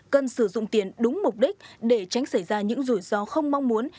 cần sử dụng tiền đúng mục đích để tránh xảy ra những rủi ro không mong muốn